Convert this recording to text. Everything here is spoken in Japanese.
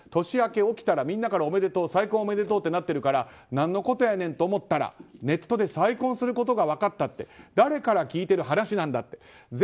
年明け起きたらみんなからおめでとう再婚おめでとうってなってるから何のことやねんと思ったらネットで再婚することが分かったって誰から聞いてる話なんだって。